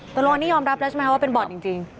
ตรงนี้ยอมรับแล้วใช่ไหมว่าเป็นบ่อนจริง